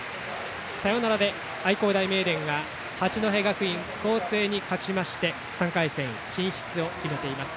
サヨナラで愛工大名電が八戸学院光星に勝ちまして３回戦進出を決めています。